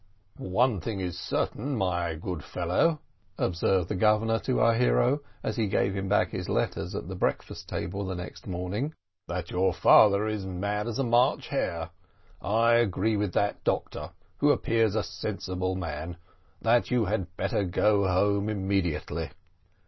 "One thing is certain, my good fellow," observed the Governor to our hero, as he gave him back his letters at the breakfast table the next morning; "that your father is as mad as a March hare. I agree with that doctor, who appears a sensible man, that you had better go home immediately."